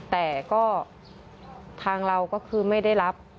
แต่ก็ทางเราก็คือไม่ได้รับ